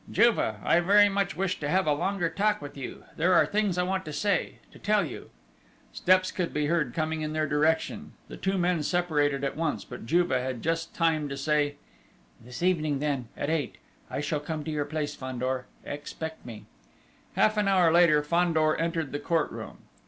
"Juve, I very much wish to have a longer talk with you there are things I want to say to tell you!" Steps could be heard coming in their direction: the two men separated at once; but Juve had just time to say: "This evening then, at eight, I shall come to your place, Fandor. Expect me!" Half an hour later, Fandor entered the court room....